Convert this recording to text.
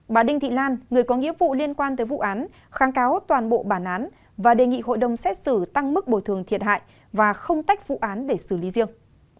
bà đinh thị lan người có nghĩa vụ liên quan tới vụ án kháng cáo toàn bộ bản án và đề nghị hội đồng xét xử tăng mức bồi thường thiệt hại và không tách vụ án để xử lý riêng